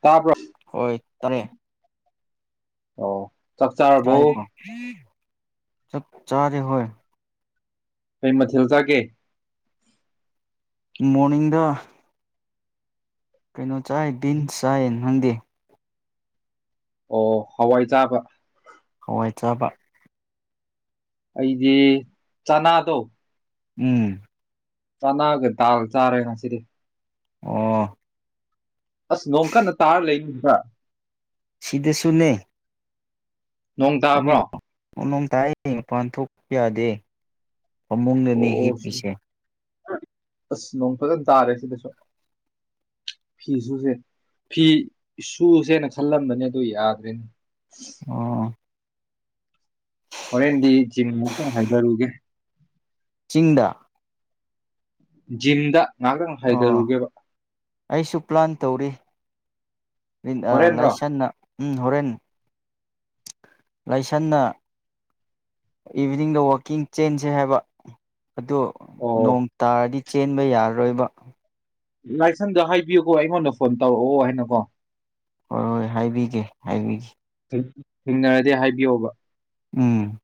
ꯇꯥꯕ꯭ꯔꯣ ꯍꯣꯏ ꯇꯥꯏꯑꯦ ꯑꯣ ꯆꯥꯛ ꯆꯥꯔꯕꯣ ꯍꯥꯏꯀꯣ ꯆꯛ ꯆꯥꯔꯦ ꯍꯣꯏ ꯀꯩ ꯃꯊꯦꯜ ꯆꯒꯦ ꯃꯣꯔꯅꯤꯡꯗ ꯀꯩꯅꯣ ꯆꯥꯏ ꯕꯤꯟ ꯆꯥꯏ ꯅꯪꯗꯤ ꯑꯣ ꯍꯋꯥꯏ ꯆꯥꯕ ꯍꯣꯋꯥꯏ ꯆꯥꯕ ꯑꯩꯗꯤ ꯆꯅꯥꯗꯣ ꯎꯝ ꯆꯥꯅꯥꯑꯒ ꯇꯗꯥꯜ ꯆꯥꯔꯦ ꯉꯁꯤꯗꯤ ꯑꯣ ꯑꯁ ꯅꯣꯡꯀꯅ ꯇꯥꯔ ꯂꯩ ꯍꯥ ꯁꯤꯗꯁꯨꯨꯅꯦ ꯅꯣꯡ ꯇꯥꯕ꯭ꯔꯣ ꯅꯣꯡꯇꯥꯏꯌꯦ ꯃꯄꯥꯟ ꯊꯣꯛꯄ ꯌꯥꯗꯦ ꯐꯃꯨꯡꯗꯅꯦ ꯑꯣ ꯁꯤ ꯍꯤꯠꯄꯤꯁꯦ ꯑꯁ ꯅꯣꯡꯐꯖꯅ ꯇꯥꯔꯦ ꯁꯤꯗꯁꯨ ꯐꯤꯁꯨꯁꯦ ꯐꯤꯁꯨꯨꯁꯦꯅ ꯈꯜꯂꯝꯕꯅꯦ ꯑꯗꯨ ꯌꯥꯗ꯭ꯔꯦꯅꯦ ꯑꯣ ꯍꯣꯔꯦꯟꯗꯤ ꯆꯤꯝ ꯃꯐꯝꯗ ꯍꯥꯏꯗꯔꯨꯒꯦ ꯆꯤꯡꯗ ꯖꯤꯝꯗ ꯉꯥꯏꯍꯥꯛꯇꯪ ꯑꯣ ꯍꯥꯏꯊꯔꯨꯒꯦꯕ ꯑꯩꯁꯨ ꯄ꯭ꯂꯥꯟ ꯇꯧꯔꯤ ꯑ ꯍꯣꯔꯦꯟꯔꯣ ꯂꯥꯏꯁꯟ ꯎꯝ ꯍꯣꯔꯦꯟ ꯂꯥꯏꯁꯟꯅ ꯏꯚꯤꯅꯤꯡꯗ ꯋꯥꯛꯀꯤꯡ ꯆꯦꯟꯁꯦ ꯍꯥꯏꯕ ꯑꯗꯣ ꯑꯣ ꯅꯣꯡ ꯇꯥꯔꯗꯤ ꯆꯦꯟꯕ ꯌꯥꯔꯔꯣꯏꯕ ꯂꯥꯏꯁꯪꯗ ꯍꯥꯏꯕꯤꯌꯨꯀꯣ ꯑꯩꯉꯣꯟꯗ ꯐꯣꯟ ꯇꯧꯔꯛꯑꯣ ꯍꯥꯏꯅꯀꯣ ꯍꯣꯏ ꯍꯣꯏ ꯍꯥꯏꯕꯤꯁꯦ ꯍꯥꯏꯕꯤꯁꯦ ꯊꯦꯡꯅꯔꯗꯤ ꯍꯥꯏꯕꯤꯌꯣꯕ ꯎꯝ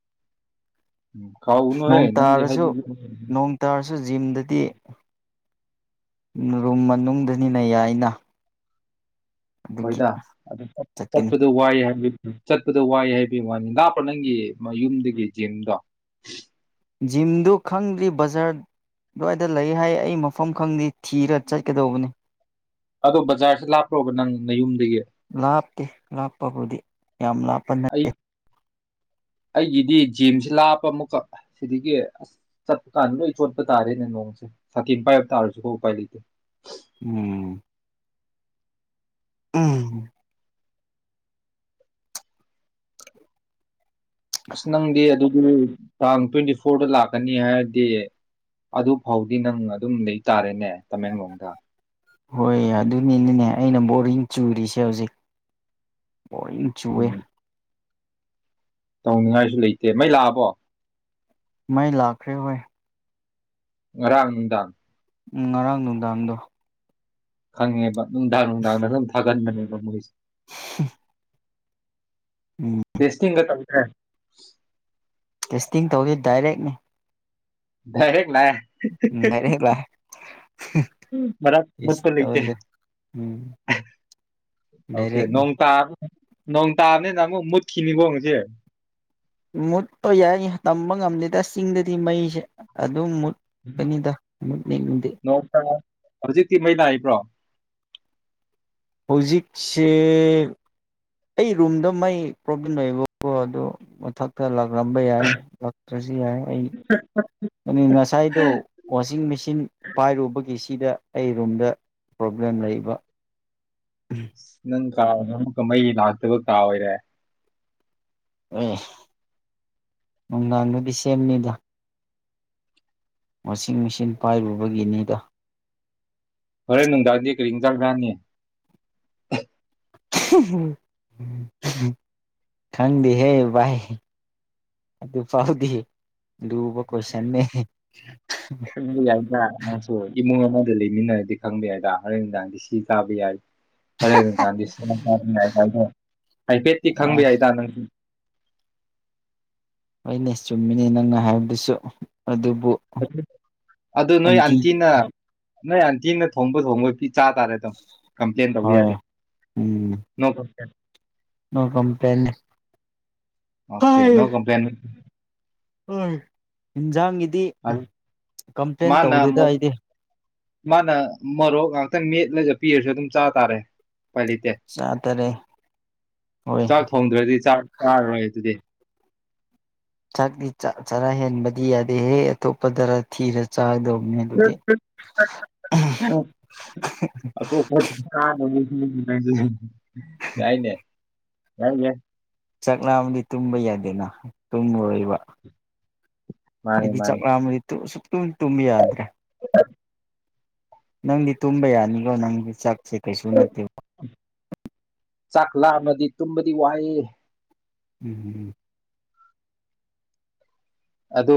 ꯎ ꯈꯥꯎ ꯎꯅꯣ ꯍꯦ ꯅꯪꯒꯦ ꯍꯥꯏ ꯨ ꯖꯤꯝꯗꯗꯤ ꯔꯨꯝ ꯃꯅꯨꯡꯗꯅꯤꯅ ꯌꯥꯏ ꯑꯩꯅ ꯍꯣꯏꯗ ꯑꯗꯨ ꯆꯠꯀꯅꯤ ꯆꯠꯄꯗꯨ ꯋꯥꯏ ꯍꯥꯏ ꯆꯠꯄꯗ ꯋꯥꯏ ꯍꯥꯏꯕ ꯋꯥꯅꯤ ꯂꯥꯞꯄ꯭ꯔꯥ ꯅꯪꯒꯤ ꯌꯨꯝꯗꯒꯤ ꯖꯤꯝꯗꯣ ꯖꯤꯝꯗꯨ ꯈꯪꯗ꯭ꯔꯤ ꯕꯖꯥꯔ ꯑꯗꯨ꯭ꯋꯥꯏꯗ ꯂꯩ ꯍꯥꯏ ꯑꯩ ꯃꯐꯝ ꯈꯪꯗ꯭ ꯊꯤꯔ ꯆꯠꯀꯗꯧꯕꯅꯤ ꯑꯗꯣ ꯕꯖꯥꯔꯁꯦ ꯂꯥꯞꯄ꯭ꯔꯣꯕ ꯅꯪ ꯅꯌꯨꯝꯗꯒꯤ ꯇꯕꯗꯤ ꯌꯥꯝ ꯂꯥꯞꯄ ꯑꯩ ꯅꯠꯇꯦ ꯑꯩꯒꯤꯗꯤ ꯖꯤꯝꯁꯦ ꯂꯥꯞꯄ ꯑꯃꯨꯛꯀꯛ ꯁꯤꯗꯒꯤ ꯑꯁ ꯆꯠꯄ ꯀꯥꯟꯗ ꯂꯣꯏ ꯆꯣꯠꯄ ꯇꯥꯔꯦꯅꯦ ꯅꯣꯡꯁꯦ ꯁꯥꯊꯦꯝ ꯄꯥꯏꯕ ꯇꯥꯔꯁꯨꯀꯣ ꯎꯄꯥꯏ ꯂꯩꯇꯦ ꯎꯝ ꯎꯝ ꯑꯁ ꯅꯪꯗꯤ ꯑꯗꯨꯒꯤ ꯇꯥꯡ ꯇ꯭ꯋꯦꯟꯇꯤ ꯐꯣꯔꯗ ꯂꯥꯛꯀꯅꯤ ꯍꯥꯏꯔꯗꯤ ꯑꯗꯨ ꯐꯥꯎꯗꯤ ꯅꯪ ꯑꯗꯨꯝ ꯂꯩꯇꯥꯥꯔꯦꯅꯦ ꯇꯃꯦꯡꯂꯣꯡꯗ ꯍꯣꯏ ꯑꯗꯨꯅꯤꯅꯤꯅꯦ ꯑꯩꯅ ꯕꯣꯔꯤꯡ ꯆꯨꯔꯤꯁꯦ ꯍꯧꯖꯤꯛ ꯍ ꯆꯨꯋꯦ ꯎꯝ ꯇꯧꯅꯤꯡꯉꯥꯏꯁꯨ ꯂꯩꯇꯦ ꯃꯩ ꯂꯥꯛꯑꯕꯣ ꯃꯩ ꯂꯥꯛꯈ꯭ꯔꯦ ꯍꯣꯏ ꯔꯥꯡꯅꯨꯡꯗꯥꯥꯡ ꯎ ꯉꯔꯥꯡ ꯅꯨꯡꯗꯥꯡꯗꯣ ꯈꯪꯉꯦꯕ ꯅꯨꯡꯗꯥꯡ ꯅꯨꯡꯗꯥꯡꯗ ꯑꯗꯨꯝ ꯊꯥꯒꯟꯕꯅꯦꯕ ꯃꯣꯏꯁꯦ ꯎ ꯇꯦꯁꯤ ꯇꯝꯦ ꯇꯦꯁꯇꯤꯡ ꯇꯧꯗꯤ ꯗꯥꯏꯔꯦꯛꯅꯤ ꯍꯦꯛ ꯅ ꯦꯔꯂ ꯃꯔꯛ ꯏꯁ ꯃꯨꯠꯄ ꯂꯩꯇꯦ ꯇꯧꯗꯦ ꯎꯝ ꯑꯣꯀꯦ ꯦꯔꯒ ꯅꯣꯡ ꯇꯥꯕ ꯅꯣꯡ ꯇꯥꯕꯅꯦ ꯅꯪꯃꯨ ꯃꯨꯠꯈꯤꯅꯤꯕꯣꯁꯦ ꯃꯨꯠꯄ ꯌꯥꯏ ꯇꯝꯕ ꯉꯝꯗꯦꯗ ꯆꯤꯡꯗꯗꯤ ꯃꯩꯁꯦ ꯑꯗꯨꯝ ꯃꯨꯠ ꯀꯅꯤꯗꯗꯦ ꯅꯣꯡ ꯇꯥ ꯍꯧꯖꯤꯛꯇꯤ ꯃꯩ ꯂꯏꯕ꯭ꯔꯣ ꯍꯧꯖꯤꯛꯁꯦ ꯑꯩ ꯔꯨꯝꯗꯣ ꯃꯥꯏ ꯄ꯭ꯔꯣꯕ꯭ꯂꯦꯝ ꯂꯩꯌꯦꯕꯀꯣ ꯑꯗꯣ ꯃꯊꯛꯇ ꯂꯥꯛ ꯔꯩꯁꯤ ꯑꯗꯨ ꯉꯁꯥꯏꯗꯣ ꯋꯥꯁꯤꯡ ꯃꯦꯆꯤꯟ ꯄꯥꯏꯔꯨꯕꯒꯤꯁꯤ ꯁꯤꯗ ꯑꯩ ꯔꯨꯝꯗ ꯄ꯭ꯔꯣꯕ꯭ꯂꯦꯝ ꯂꯩꯕ ꯅꯪ ꯀꯥ ꯑꯃꯨꯛꯀ ꯃꯩ ꯂꯥꯛꯇꯕ ꯀꯥ ꯑꯣꯏꯔꯦ ꯑꯦ ꯅꯨꯡꯗꯥꯡꯗꯨꯗꯤ ꯁꯦꯝꯅꯤꯗ ꯋꯥꯁꯤꯡ ꯃꯦꯆꯤꯟ ꯄꯥꯏꯔꯨꯕꯒꯤꯅꯤꯗ ꯍꯣꯔꯦ ꯅꯨꯡꯗꯥꯡꯗꯤ ꯀꯔꯤꯡ ꯆꯠꯈ꯭ꯔꯥꯅꯤ ꯈꯪꯗꯤ ꯍꯦ ꯏ ꯑꯗꯤ ꯐꯥꯎꯗꯤ ꯂꯕ ꯀꯣꯏꯁꯟꯃꯦ ꯈꯪꯕ ꯌꯥꯏꯗ ꯅꯪꯁꯨ ꯏꯃꯨꯡ ꯑꯃꯗ ꯂꯩꯃꯤꯟꯅꯔꯗꯤ ꯈꯪꯕ ꯌꯥꯏꯗ ꯍꯣꯔꯦꯟ ꯅꯨꯡꯗꯥꯡꯗꯤ ꯁꯤ ꯆꯥꯕ ꯌꯥꯏ ꯍꯣꯔꯦꯥꯟ ꯅꯨꯡꯗꯥꯡꯗꯤ [inaudible] ꯍꯥꯏꯐꯦꯠꯇꯤ ꯑ ꯈꯪꯕ ꯌꯥꯏꯗ ꯅꯪꯁꯨ ꯍꯣꯏꯅꯦ ꯆꯨꯝꯃꯤꯅꯦ ꯅꯪꯅ ꯍꯥꯏꯕꯗꯨꯁꯨ ꯑꯗꯨꯕꯨ ꯑꯗꯨ ꯑꯗꯨ ꯅꯣꯏ ꯑꯟꯇꯤ ꯑꯟꯇꯤꯅ ꯅꯣꯏ ꯑꯟꯇꯤꯅ ꯊꯣꯡꯕ ꯊꯣꯡꯕꯒꯤ ꯆꯥ ꯇꯥꯔꯦꯗꯣ ꯀꯝꯄ꯭ꯂꯦꯟ ꯇꯧꯕꯤ ꯌꯥꯗꯦ ꯍꯣꯏ ꯎꯝ ꯅꯣ ꯀꯝꯄ꯭ꯂꯦꯟ ꯅꯣ ꯀꯝꯄ꯭ꯂꯦꯟ ꯑꯣꯀꯦ ꯅꯣ ꯀꯝꯄ꯭ꯂꯦꯟ ꯎꯏ ꯏꯟꯖꯥꯡꯒꯤ ꯗꯤ ꯀꯝꯄ꯭ꯂꯦꯟ ꯃꯥꯅ ꯇꯧꯗꯦꯗ ꯑꯩꯗꯤ ꯃꯥꯅ ꯃꯣꯔꯣꯛ ꯉꯥꯛꯇꯪ ꯃꯦꯠꯂꯒ ꯄꯤꯔꯁꯨ ꯑꯗꯨꯝ ꯆꯥ ꯇꯥꯔꯦ ꯎꯄꯥꯏ ꯂꯩꯇꯦ ꯆꯥꯇꯔꯦ ꯍꯣꯏ ꯆꯥꯛ ꯊꯣꯡꯗ꯭ꯔꯗꯤ ꯆꯥꯛ ꯆꯥꯔꯔꯣꯏ ꯑꯗꯨꯗꯤ ꯆꯥꯛꯇꯤ ꯆꯔꯥ ꯍꯦꯟꯕꯗꯤ ꯌꯥꯗꯦꯍꯦ ꯑꯇꯣꯞꯄꯗꯔ ꯊꯤꯔ ꯆꯥꯛꯗꯧ [inaudible] ꯎꯝ ꯌꯥꯏꯅꯦ ꯌꯥꯏ ꯌꯥꯏ ꯆꯥꯛꯂꯥꯝꯗꯤ ꯇꯨꯝꯕ ꯌꯥꯗꯦꯅ ꯇꯨꯝꯃꯣꯏꯕ ꯃꯥꯅꯤ ꯑꯩꯗꯤ ꯆꯥꯛ ꯃꯥꯅꯤ ꯂꯥꯝꯃꯗꯤ ꯇꯨꯝꯕ ꯁꯨꯛ ꯇꯨꯝ ꯇꯨꯝꯕ ꯌꯥꯗ꯭ꯔꯦ ꯅꯪꯗꯤ ꯇꯨꯝꯕ ꯌꯥꯅꯤꯀꯣ ꯅꯪꯗꯤ ꯆꯥꯛ ꯁꯤ ꯀꯩꯁꯨ ꯅꯠꯇꯦꯕ ꯆꯥꯛꯂꯥꯝꯃꯗꯤ ꯇꯨꯝꯕꯗꯤ ꯋꯥꯏꯑꯦ ꯎꯝ ꯑꯗꯣ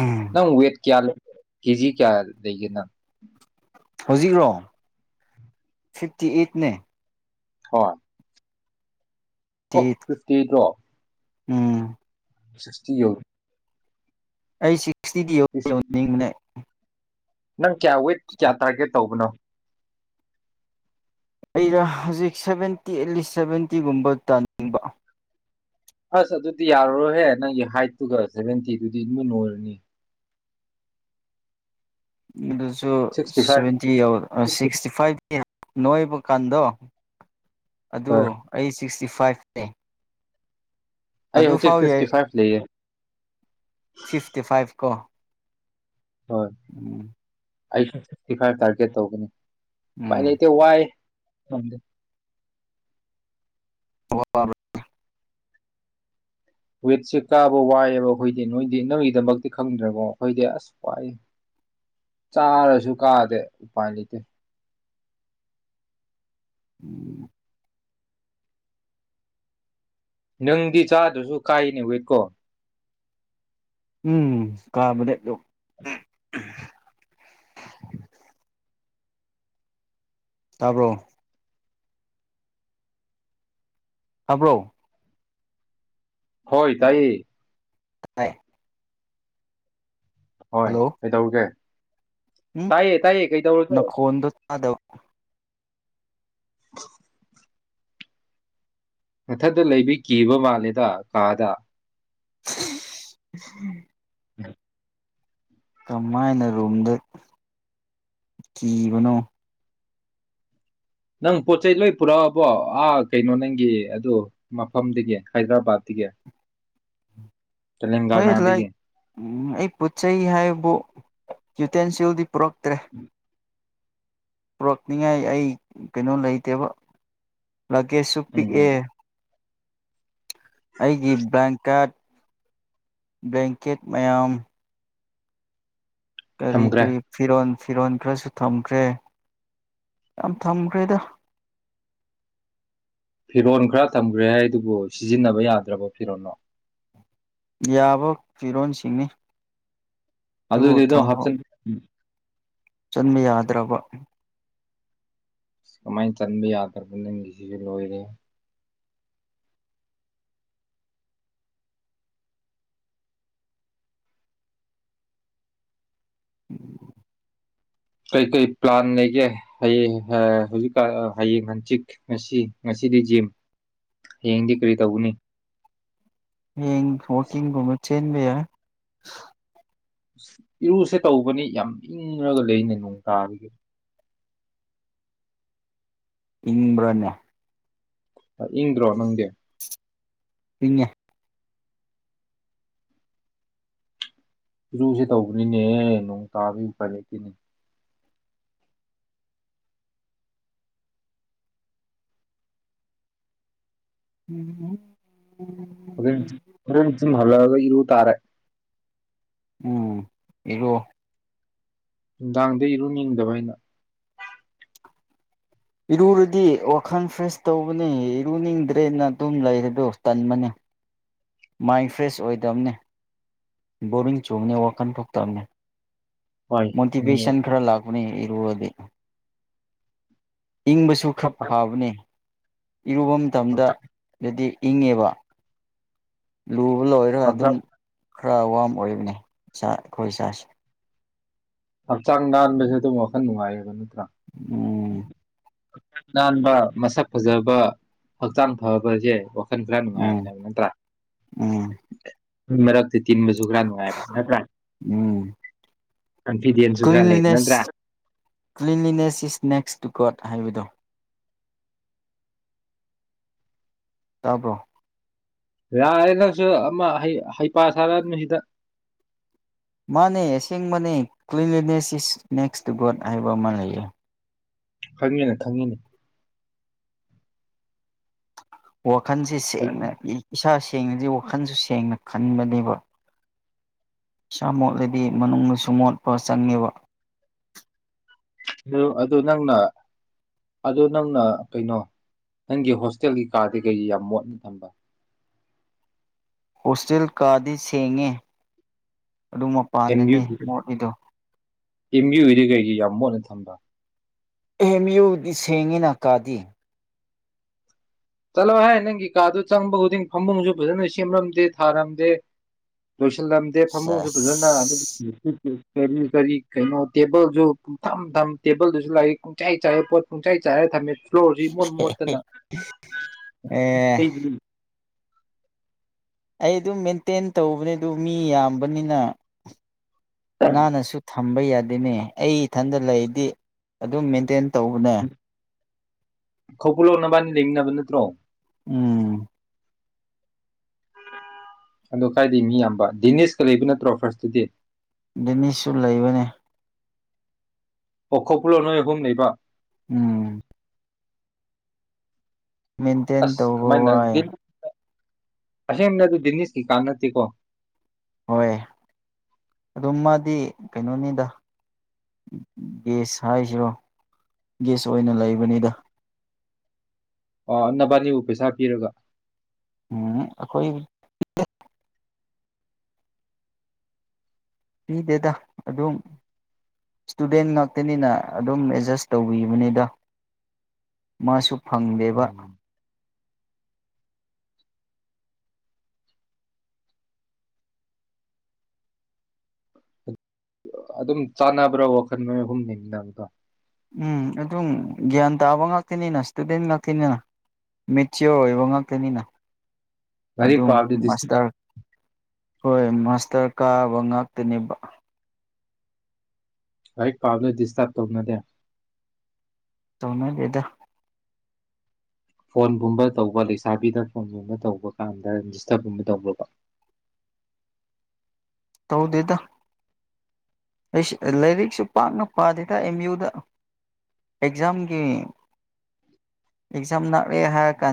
ꯎꯝ ꯅꯪ ꯋꯦꯠ ꯀꯌꯥ ꯂꯩ ꯀꯦꯖꯤ ꯀꯌꯥ ꯂꯩꯒꯦ ꯅꯪ ꯍꯧꯖꯤꯛꯔꯣ ꯐꯤꯐꯇꯤꯑꯩꯠꯅꯦ ꯍꯣꯏ ꯑꯣ ꯐꯤꯐꯇꯤ ꯗ꯭ꯔꯣ ꯎꯝ ꯁꯤꯁꯇꯤ ꯌꯧ ꯑꯩꯁꯤ ꯁꯤꯁꯛꯁꯇꯤꯗꯤ ꯌꯧꯗꯤ ꯌꯥꯎꯅꯤꯡꯕꯅꯦ ꯅꯪ ꯀꯌꯥ ꯋꯦꯠ ꯀꯌꯥ ꯇꯥꯔꯒꯦꯠ ꯇꯧꯕꯅꯣ ꯑꯩꯔ ꯍꯧꯖꯤꯛ ꯁꯚꯦꯟꯇꯤ ꯑꯦꯠꯂꯤꯁ ꯁꯚꯦꯟꯇꯤꯒꯨꯝꯕ ꯇꯥꯅꯤꯡꯕ ꯑꯁ ꯑꯗꯨꯗꯤ ꯌꯥꯔꯔꯣꯏꯍꯦ ꯅꯪꯒꯤ ꯍꯥꯏꯠꯇꯨꯒ ꯁꯚꯦꯟꯇꯤꯗꯨꯗꯤ ꯃꯨꯛ ꯅꯣꯏꯔꯅꯤ ꯑꯗꯨꯖ ꯇꯨ ꯁꯤꯛꯁꯇꯤ ꯐꯥꯏꯚ ꯁꯚꯦꯟꯇꯤ ꯌꯥꯎ ꯁꯤꯛꯁꯇꯤ ꯐꯥꯏꯚꯇꯤ ꯅꯣꯏꯕ ꯀꯥꯟꯗꯣ꯫ ꯑꯗꯨ ꯑꯩ ꯁꯤꯛꯁꯇꯤ ꯐꯥꯏꯐꯦ ꯑꯩ ꯍꯧꯖꯤꯛ ꯐꯤꯐꯇꯤ ꯐꯥꯏꯚ ꯂꯩꯌꯦ꯫ ꯁꯤꯐꯇꯤ ꯐꯥꯏꯚ ꯀꯣ ꯎꯝ꯫ ꯑꯩꯁꯨ ꯁꯤꯛꯁꯇꯤ ꯐꯥꯏꯚ ꯇꯥꯔꯒꯦꯠ ꯇꯧꯕꯅꯤ ꯎꯄꯥꯏ ꯂꯩꯇꯦ ꯎꯝ ꯋꯥꯏꯌꯦ꯫ ꯄꯥꯟꯗꯦ꯫ [unintelligible] ꯋꯥꯕ꯭ꯔ꯫ ꯋꯦꯠꯁꯦ ꯀꯥꯕ ꯋꯥꯏꯑꯦꯕ ꯑꯩꯈꯣꯏꯗꯤ ꯅꯣꯏꯗꯤ ꯅꯪꯒꯤꯗꯃꯛꯇꯤ ꯈꯪꯗ꯭ꯔꯕꯣ ꯑꯩꯈꯣꯏꯗꯤ ꯑꯁ ꯋꯥꯏ ꯆꯥꯔꯁꯨ ꯀꯥꯗꯦ ꯎꯄꯥꯏ ꯂꯩꯇꯦ꯫ ꯅꯪꯗꯤ ꯆꯥꯗ꯭ꯔꯁꯨ ꯀꯥꯏꯌꯦꯅꯦ ꯋꯦꯠꯀꯣ꯫ ꯎꯝ ꯀꯥꯕꯅꯦ ꯑꯗꯣ꯫ ꯇꯥꯕ꯭ꯔꯣ꯫ ꯍꯥꯥꯕ꯭ꯔꯣ ꯍꯣꯏ ꯇꯥꯏꯌꯦ꯫ ꯇꯥꯏ꯫ ꯍꯣꯏ ꯍꯜꯂꯣ ꯀꯩ ꯇꯧꯒꯦ ꯇꯥꯏꯌꯦ ꯇꯥꯏꯌꯦ ꯀꯩ ꯇꯧꯔ ꯇ ꯑꯗ ꯑ ꯃꯊꯛꯇ ꯂꯩꯕꯤ ꯀꯤꯕ ꯃꯥꯂꯦꯗ ꯀꯥꯗ ꯎ ꯎꯝ ꯀꯃꯥꯏꯅ ꯔꯣꯝꯗ ꯊꯤꯕꯅꯣ ꯅꯪ ꯄꯣꯠ ꯆꯩꯩ ꯂꯣꯏ ꯄꯨꯔꯛꯑꯕꯣ ꯑꯥ ꯀꯩꯅꯣ ꯅꯪꯒꯤ ꯑꯗꯨ ꯃꯐꯝꯗꯒꯤ ꯍꯥꯏꯗ꯭ꯔꯕꯥꯠꯇꯒꯤ ꯍꯣꯏ ꯇꯂꯪꯒꯅꯥꯗꯤ ꯂꯥꯏꯛ ꯑꯩ ꯄꯨꯠꯆꯩ ꯍꯥꯏꯕꯨ ꯌꯨꯇꯦꯟꯁꯤꯜꯗꯤ ꯄꯛ ꯇ꯭ꯔꯦ ꯄꯨꯔꯛꯅꯤꯉꯥꯏ ꯑꯩ ꯀꯩꯅꯣ ꯂꯩꯇꯦꯕ ꯂꯒꯦꯖꯁꯨ ꯎꯝ ꯎꯝ ꯄꯤꯛꯑꯦ ꯑꯩꯒꯤ ꯕ꯭ꯂꯥꯡꯀꯦꯠ ꯕ꯭ꯂꯦꯡꯀꯦꯠ ꯃꯌꯥꯝ ꯀꯔꯤ ꯊꯝꯈ꯭ꯔꯦ ꯀꯔꯤ ꯐꯤꯔꯣꯣꯟ ꯐꯤꯔꯣꯟ ꯈꯔꯁꯨ ꯊꯝꯈ꯭ꯔꯦ ꯌꯥꯝ ꯊꯝꯈ꯭ꯔꯦꯗ ꯐꯤꯔꯣꯜ ꯈꯔ ꯊꯝꯈ꯭ꯔꯦ ꯍꯥꯏ ꯑꯗꯨꯕꯨ ꯁꯤꯖꯤꯟꯅꯕ ꯌꯥꯗ꯭ꯔꯕꯣ ꯐꯤꯔꯣꯜꯅꯣ ꯌꯥꯕ ꯐꯤꯔꯣꯟꯁꯤꯡꯅꯤ ꯑꯗꯨꯕꯨ ꯑꯗꯨꯗꯣ ꯍꯥꯞ ꯊꯝꯐꯝ ꯆꯟꯕ ꯌꯥꯗ꯭ꯔꯕ ꯑ ꯀꯃꯥꯏꯅ ꯆꯟꯕ ꯌꯥꯒꯗꯔꯕ ꯅꯪꯒꯤꯁꯤꯁꯨ ꯂꯣꯏꯔꯦ ꯎꯝ ꯀꯩꯀꯩ ꯄ꯭ꯂꯥꯟ ꯂꯩꯒꯦ ꯍꯌꯦꯡ ꯍꯧꯖꯤꯛꯀꯥꯟ ꯍꯌꯦꯡ ꯍꯪꯆꯤꯛ ꯉꯁꯤ ꯉꯁꯤꯗꯤ ꯖꯤꯝ ꯍꯌꯦꯡꯗꯤ ꯀꯔꯤ ꯇꯧꯕꯅꯤ ꯍꯌꯦꯡ ꯋꯥꯜꯀꯤꯡꯒꯨꯝꯕ ꯆ°ꯟꯕ ꯌꯥꯏ ꯏꯔꯨꯁꯦ ꯇꯧꯕꯅꯤ ꯌꯥꯝ ꯏꯪꯉꯒ ꯂꯩꯅꯦ ꯅꯣꯡ ꯇꯥꯕꯒꯤ ꯏꯪꯕ꯭ꯔꯅꯦ ꯏꯪꯗ꯭ꯔꯣ ꯅꯪꯗꯤ ꯏꯪꯉꯦ ꯏꯔꯨꯁꯦ ꯇꯧꯕꯅꯤꯅꯦꯍ ꯅꯣꯡ ꯇꯥꯕꯒꯤ ꯎꯄꯥꯏ ꯂꯩꯇꯦ ꯎꯝ ꯎꯝ ꯑꯗꯨ ꯍꯜꯂꯛꯑꯒ ꯏꯔꯨ ꯇꯥꯔꯦ ꯎꯝ ꯏꯔꯣ ꯅꯨꯡꯗꯥꯡꯗ ꯏꯔꯨꯅꯤꯡꯗꯕ ꯑꯩꯅ ꯏꯔꯨꯔꯗꯤ ꯋꯥꯈꯜ ꯐ꯭ꯔꯦꯁ ꯇꯧꯕꯅꯤ ꯏꯔꯨꯅꯤꯡꯗ꯭ꯔꯦꯅ ꯑꯗꯨꯝ ꯂꯩꯔꯗꯣ ꯇꯟꯕꯅꯤ ꯃꯥꯏꯟ ꯐ꯭ꯔꯦꯁ ꯑꯣꯏꯗꯕꯅꯤ ꯕꯣꯔꯤꯡ ꯆꯨꯅꯤ ꯋꯥꯈꯜ ꯊꯣꯛꯇꯕꯅꯤ ꯍꯣꯏ ꯑꯃꯨꯛ ꯃꯣꯇꯤꯚꯦꯁꯟ ꯈꯔ ꯂꯥꯛꯄꯅꯦ ꯂꯨꯔꯗꯤ ꯏꯪꯕꯁꯨ ꯈꯔ ꯐꯕꯅꯤ ꯏꯔꯨꯕ ꯃꯇꯝꯗ ꯍꯛꯆꯥꯡ ꯔꯦꯗꯤ ꯏꯪꯉꯦꯕ ꯂꯨꯕ ꯂꯣꯏꯔꯒ ꯑꯗꯨꯝ ꯍꯛꯆꯥꯡ ꯈꯔ ꯋꯥꯝ ꯑꯣꯏꯕꯅꯤ ꯏꯆꯥ ꯑꯈꯣꯏ ꯏꯥꯁꯥꯁꯦ ꯍꯛꯆꯥꯡ ꯅꯥꯟꯕꯁꯦ ꯑꯗꯨꯝ ꯋꯥꯈꯟ ꯅꯨꯡꯉꯥꯏꯔꯥꯕꯅꯦ ꯎꯝ ꯃꯁꯥ ꯅꯟꯕ ꯃꯁꯛ ꯐꯖꯕ ꯍꯛꯆꯥꯡ ꯐꯕꯁꯦ ꯋꯥ ꯋꯥꯈꯟ ꯈ꯭ꯔ ꯎꯝ ꯅꯨꯡꯉꯥꯏꯕꯅꯦ ꯅꯠꯇ꯭ꯔꯥ? ꯎꯝ ꯃꯤ ꯃꯔꯛ ꯇꯩ ꯇꯤꯟꯕꯁꯨ ꯈꯔ ꯅꯨꯡꯉꯥꯏꯕ ꯅꯠꯇ꯭ꯔ? ꯎꯝ cleanliness cleanliness is next to God ꯍꯥꯏꯕꯗꯣ ꯇꯥꯕ꯭ꯔꯣ? ꯌꯥꯔꯦ ꯅꯪꯁꯨ ꯑꯃ ꯍꯩ ꯍꯩꯄꯥ ꯁꯥꯔꯛꯑꯅꯨꯁꯤꯗ ꯃꯥꯅꯦ ꯑꯁꯦꯡꯕꯅꯦ cleanliness is next to God ꯍꯥꯏꯕ ꯑꯃ ꯂꯩꯌꯦ꯫ ꯈꯪꯉꯤꯅꯦ ꯈꯪꯉꯤꯅꯦ ꯑꯣ ꯈꯟꯁꯦ ꯁꯦꯡꯅ ꯏꯤ ꯏꯁꯥ ꯁꯤ ꯁꯦꯡꯉꯥꯗꯤ ꯋꯥꯈꯟꯁꯨ ꯁꯦꯡꯅ ꯈꯟꯕꯅꯦꯕ, ꯏꯁꯥ ꯃꯣꯠꯂꯗꯤ ꯃꯅꯨꯡꯗꯁꯨ ꯃꯣꯠꯄ ꯆꯪꯉꯦꯕ ꯑꯗꯨ ꯑꯗꯨ ꯅꯪꯅ ꯑꯗꯨ ꯅꯪꯅ ꯀꯩꯅꯣ ꯅꯪꯒꯤ ꯍꯣꯁꯇꯦꯜꯒꯤ ꯀꯥꯗꯤ ꯀꯩꯒꯤ ꯌꯥꯝ ꯃꯣꯠꯅ ꯊꯝꯕ? ꯍꯣꯁꯇꯦꯜ ꯀꯥꯗꯤ ꯁꯦꯡꯉꯦ ꯑꯗꯨ ꯃꯄꯥꯟꯗꯅꯦ ꯃꯣꯠꯂꯤꯗꯣ ꯑꯦꯝ ꯌꯨ ꯒꯤꯗꯤ ꯀꯩꯒꯤ ꯌꯥꯝ ꯃꯣꯠꯅ ꯊꯝꯕ? ꯑꯦꯝ ꯌꯨꯗꯤ ꯁꯦꯡꯉꯦꯅ ꯀꯥꯗꯤ ꯆꯠꯂꯣ ꯍꯥꯏ ꯅꯪꯒꯤ ꯀꯥꯗꯨ ꯆꯪꯕ ꯈꯨꯗꯤꯡ ꯐꯃꯨꯡꯁꯨ ꯐꯖꯅ ꯁꯦꯝꯔꯝꯗꯦ ꯊꯥꯔꯝꯗꯦ ꯂꯣꯏꯁꯤꯜꯂꯝꯗꯦ ꯐꯃꯨꯡꯁꯨ ꯐꯖꯅ ꯑꯗꯨꯒꯤ ꯁꯦꯁ [unintelligible] ꯀꯔꯤ ꯀꯔꯤ ꯀꯩꯅꯣ ꯇꯦꯕꯜꯁꯨ ꯄꯝꯊꯝ ꯊꯝ, ꯇꯦꯕꯜꯗꯨꯁꯨ ꯂꯥꯏꯔꯤꯛ ꯄꯨꯡꯆꯥꯏ ꯆꯥꯏ ꯄꯣꯠ ꯄꯨꯡꯆꯥꯏ ꯆꯥꯏꯔ ꯊꯝꯃꯦ ꯐ꯭ꯂꯣꯔꯁꯤ ꯏꯃꯣꯠ ꯃꯣꯠꯇꯅ ꯑꯦ ꯑꯩꯗꯤ ꯑꯩ ꯑꯗꯨꯝ ꯃꯦꯟꯇꯦꯟ ꯇꯧꯕꯅꯦ ꯑꯗꯨ ꯃꯤ ꯌꯥꯝꯕꯅꯤꯅ ꯅꯥꯟꯅꯁꯨ ꯊꯝꯕ ꯌꯥꯏ ꯑꯗꯨꯅꯦ ꯑꯩ ꯏꯊꯟꯗ ꯂꯩꯗꯤ ꯑꯗꯨꯝ ꯃꯦꯟꯇꯦꯟ ꯇꯧꯕꯅꯦ ꯀꯧꯒꯨꯜꯂꯣꯟ ꯅꯕꯟꯅꯤ ꯂꯩꯃꯤꯟꯅꯕ ꯅꯠꯇ꯭ꯔꯣ? ꯎꯝ ꯑꯗꯣ ꯀꯥꯏꯗꯤ ꯃꯤ ꯌꯥꯝꯕ ꯗꯤꯅꯦꯁꯀꯥ ꯂꯩꯕ ꯅꯠꯇ꯭ꯔꯣ ꯐꯥꯔꯁꯇꯥꯗꯤ? ꯗꯤꯅꯤꯁꯨ ꯂꯩꯕꯅꯤ ꯑꯣꯈꯣ ꯄꯨꯂꯣ ꯅꯣꯏꯑꯍꯨꯝ ꯅꯦꯕ ꯎꯝ ꯃꯦꯟꯇꯦꯟ ꯇꯧꯕ ꯋꯥꯏ ꯑꯁꯦꯝ ꯅꯗꯨ ꯖꯤꯅꯤꯁꯀꯤ ꯀꯥꯥꯅꯠꯇꯦꯀꯣ ꯍꯣꯏ ꯑꯗꯨꯝ ꯃꯥꯗꯤ ꯀꯩꯅꯣꯅꯤꯗ ꯒꯦꯁ ꯍꯥꯏꯁꯤꯔꯣ ꯒꯦꯁ ꯑꯣꯏꯅ ꯂꯩꯕꯅꯤꯗ ꯑꯣ ꯅꯕꯟꯅꯤꯕꯨ ꯄꯩꯁꯥ ꯄꯤꯔꯒ ꯎꯝ ꯑꯩꯈꯣꯏ ꯄꯤꯗꯦꯗ ꯑꯗꯨꯝ ꯏꯁꯇꯨꯗꯦꯟ ꯉꯥꯛꯇꯅꯤꯅ ꯑꯗꯨꯝ ꯑꯦꯠꯖꯁ ꯇꯧꯕꯤꯕꯅꯤꯗ ꯃꯥꯁꯨ ꯐꯪꯗꯦꯕ ꯎꯝ ꯑꯗꯨꯝ ꯆꯥꯟꯅꯕ꯭ꯔꯥ ꯋꯥꯈꯜ ꯅꯣꯏ ꯑꯍꯨꯝꯅꯤꯗ ꯂꯩꯃꯤꯟꯅꯕꯗ ꯎꯝ ꯑꯗꯨꯝ ꯒ꯭ꯌꯥꯟ ꯇꯥꯕ ꯉꯥꯛꯇꯅꯤꯅ ꯏꯁꯇꯨꯗꯦꯟ ꯉꯥꯛꯇꯅꯤꯅ ꯃꯦꯆꯤꯌꯣꯔ ꯑꯣꯏꯕ ꯉꯥꯛꯇꯅꯤꯅ ꯂꯥꯏꯔꯤꯛ ꯑꯗꯨꯝ ꯄꯥꯕꯗ ꯗꯤꯁꯇ꯭ꯔꯤꯛ ꯃꯥꯁꯇꯔ ꯍꯣꯏ ꯃꯥꯁꯇꯔ ꯀꯥꯕ ꯉꯥꯛꯇꯅꯦꯕ ꯂꯥꯏꯔꯤꯛ ꯄꯥꯝꯅ ꯗꯤꯁꯇꯥꯔꯕ ꯇꯧꯅꯗꯦ ꯇꯧꯅꯗꯦꯗ ꯐꯣꯟꯒꯨꯝꯕ ꯇꯧꯕ ꯂꯩꯁꯥꯕꯤꯗ ꯐꯣꯟꯒꯨꯝꯕ ꯇꯧꯕ ꯀꯥꯟꯗ ꯗꯤꯁꯇꯞꯕꯒꯨꯝꯕ ꯇꯧꯗꯕꯔ ꯇꯧꯗꯦꯗ ꯑꯩ ꯂꯥꯏꯔꯤꯛꯁꯨ ꯄꯥꯛꯅ ꯄꯥꯗꯦꯗ ꯑꯦꯝ ꯌꯨꯗ ꯑꯦꯛꯖꯥꯝꯒꯤ ꯑꯦꯛꯖꯥꯝ ꯅꯥꯛꯑꯦ ꯍꯥꯏꯔ ꯀꯥꯟꯗ